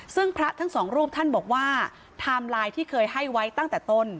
ซึ่งพระทั้งสองรูปท่านบอกว่าไทม์ไลน์ที่เคยให้ไว้ตั้งแต่ต้น